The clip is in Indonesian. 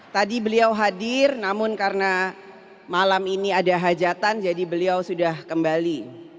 tadi beliau hadir namun karena malam ini ada hajatan jadi beliau sudah kembali